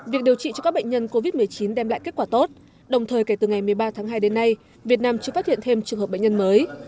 việc điều trị cho các bệnh nhân covid một mươi chín đem lại kết quả tốt đồng thời kể từ ngày một mươi ba tháng hai đến nay việt nam chưa phát hiện thêm trường hợp bệnh nhân mới